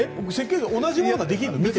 同じものとかできるの？